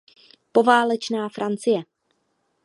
Poválečná Francie.